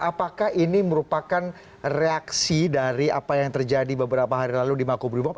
apakah ini merupakan reaksi dari apa yang terjadi beberapa hari lalu di makobrimob